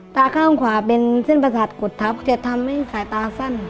ตาข้างขวาเป็นเส้นประสาทกดทับจะทำให้สายตาสั้น